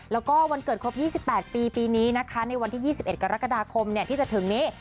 แล้วก็วันเกิดครบ๒๘ปีปีนี้นะคะในวันที่๒๑กรกฎาคมที่จะถึงนี้